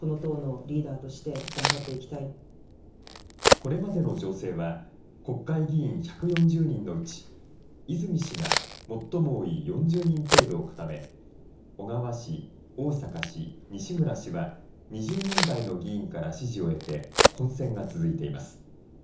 これまでの情勢は、国会議員１４０人のうち、泉氏が最も多い４０人程度を固め、小川氏、逢坂氏、西村氏は２０人台の議員から支持を得て、混戦が続いています。